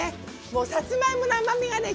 もうさつまいもの甘みがね